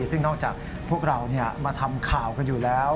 ซึ่งนอกจากพวกเรามาทำข่าวกันอยู่แล้ว